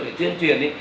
để tuyên truyền